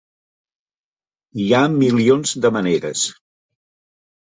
Hi ha milions de maneres.